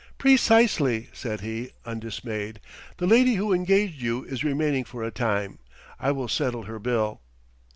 "Precisely," said he, undismayed. "The lady who engaged you is remaining for a time; I will settle her bill."